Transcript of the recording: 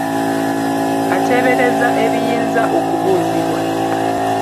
Ateebereza ebiyinza okubuuzibwa.